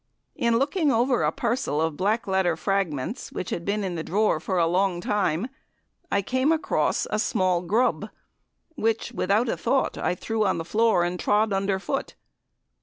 In looking over a parcel of black letter fragments, which had been in a drawer for a long time, I came across a small grub, which, without a thought, I threw on the floor and trod under foot.